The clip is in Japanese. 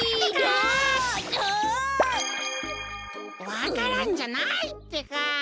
わか蘭じゃないってか。